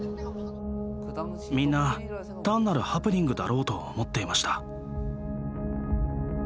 みんな単なるハプニングだろうと思っていました。